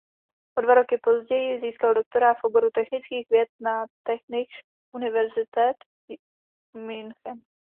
O dva roky později získal doktorát v oboru technických věd na Technische Universität München.